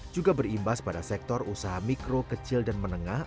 juga berimbas pada sektor usaha mikro kecil dan menengah